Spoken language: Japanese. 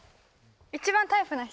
一番タイプな人？